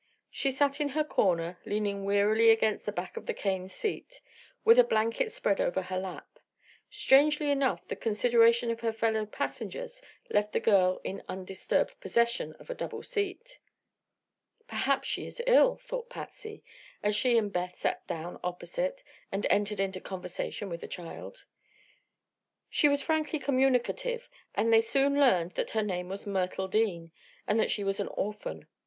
She sat in her corner, leaning wearily against the back of the cane seat, with a blanket spread over her lap. Strangely enough the consideration of her fellow passengers left the girl in undisturbed possession of a double seat. "Perhaps she is ill," thought Patsy, as she and Beth sat down opposite and entered into conversation with the child. She was frankly communicative and they soon learned that her name was Myrtle Dean, and that she was an orphan.